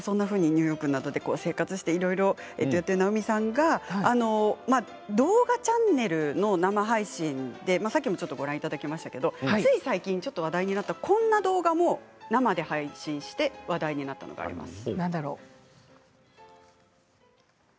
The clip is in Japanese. ニューヨークで生活している直美さんが動画チャンネルの生配信でさっきもちょっとご覧いただきましたけれどもつい最近ちょっと話題になったこんな動画も生で配信して話題になっています。